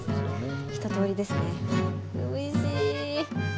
おいしい。